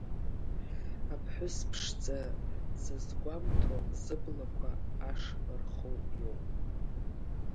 Аԥҳәыс ԥшӡа дзызгәамҭо зыблақәа аш рху иоуп!